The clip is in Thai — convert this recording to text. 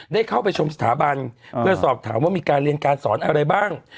ได้เข้าไปชมสถาบันเพื่อสอบถามว่ามีการเรียนการสอนอะไรบ้าง